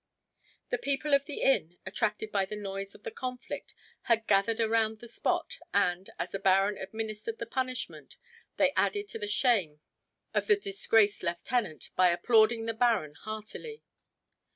The people of the inn, attracted by the noise of the conflict, had gathered around the spot, and, as the baron administered the punishment, they added to the shame of the disgraced lieutenant by applauding the baron heartily.